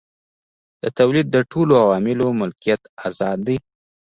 د تولید د ټولو عواملو ملکیت ازاد دی.